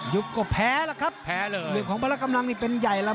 ยุบก็แพ้ละครับหลือของพระลักษมณณ์เป็นใหญ่แล้ว